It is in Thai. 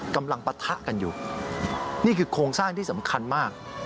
ปะทะกันอยู่นี่คือโครงสร้างที่สำคัญมาก